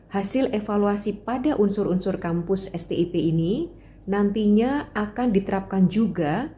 hasil evaluasi pada unsur unsur kampus stip ini nantinya akan diterapkan juga